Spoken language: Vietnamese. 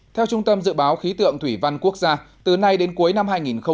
theo trung tâm dự báo khí tượng thủy văn quốc gia từ nay đến cuối năm hai nghìn một mươi chín